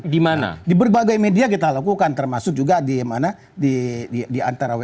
mudah mudahan di berbagai media kita lakukan termasuk juga di mana di antara wajchek